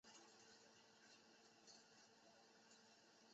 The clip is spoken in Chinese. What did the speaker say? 为堤厄斯忒斯与其女菲洛庇亚为推翻阿特柔斯所生。